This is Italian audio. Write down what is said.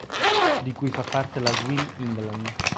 Di cui fa parte la Swim England